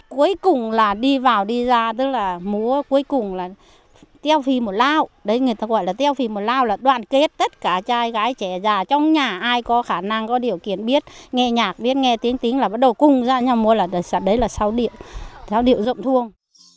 cuối cùng là đi vào đi ra tức là múa cuối cùng là treo phì một lao đấy người ta gọi là treo phì một lao là đoàn kết tất cả trai gái trẻ già trong nhà ai có khả năng có điều kiện biết nghe nhạc biết nghe tiếng tính là bắt đầu cung ra nhau múa là đấy là sáu điệu sáu điệu rộng thương